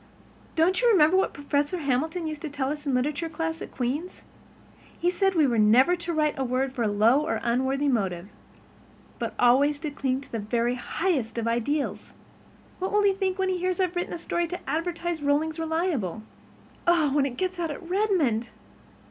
Don't you remember what Professor Hamilton used to tell us in the literature class at Queen's? He said we were never to write a word for a low or unworthy motive, but always to cling to the very highest ideals. What will he think when he hears I've written a story to advertise Rollings Reliable? And, oh, when it gets out at Redmond!